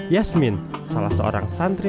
yasmin salah seorang santri